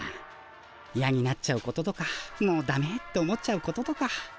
いやになっちゃうこととかもうダメって思っちゃうこととか。